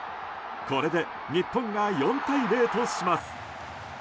これで日本が４対０とします。